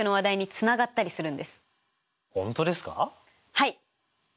はい！